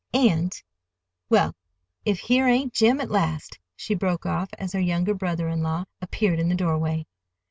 And—Well, if here ain't Jim at last," she broke off, as her younger brother in law appeared in the doorway.